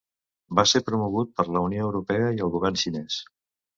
Va ser promogut per la Unió Europea i el govern xinès.